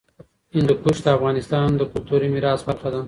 هندوکش د افغانستان د کلتوري میراث برخه ده.